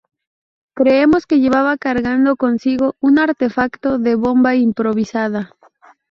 Creemos que llevaba cargando consigo un artefacto de bomba improvisada".